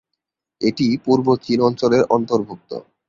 এটি পূর্ব চীন অঞ্চলের অন্তর্ভুক্ত।